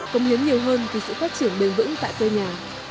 công hiến nhiều hơn vì sự phát triển bền vững tại quê nhà